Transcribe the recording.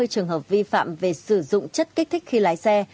trường hợp vi phạm về sử dụng chất kích thích khi lái xe